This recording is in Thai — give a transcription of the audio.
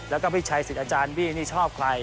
แล้วก็พี่ชัยสิทธิ์อาจารย์บี้นี่ชอบใคร